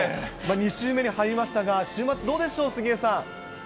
２週目に入りましたが、週末、どうでしょう、杉江さん。